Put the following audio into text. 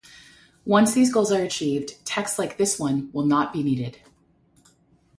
Once these goals are achieved, texts like this one will not be needed.